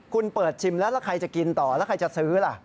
คุณเปิดชิมแล้วแล้วใครจะกินต่อแล้วใครจะซื้อล่ะ